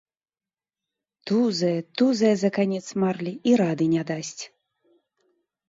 Тузае, тузае за канец марлі і рады не дасць.